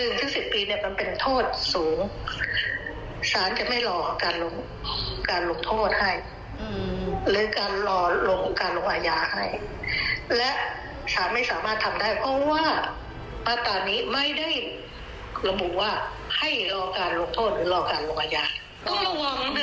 มีบทกฎหมายใดแรงมากอย่างนี้ฝ่ายกฎหมายจะต้องดูตรวจสอบอย่างชัดเจนนะครับ